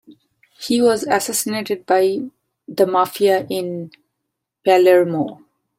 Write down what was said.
He was assassinated by the Mafia in Palermo.